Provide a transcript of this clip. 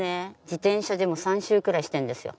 自転車でもう３周くらいしているんですよ。